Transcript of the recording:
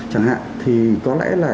chẳng hạn thì có lẽ là